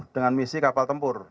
dengan misi kapal tempur